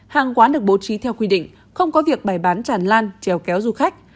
hàng quán được bố trí theo quy định không có việc bài bán tràn lan treo kéo du khách